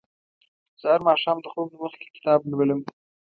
زه هر ماښام د خوب نه مخکې کتاب لولم.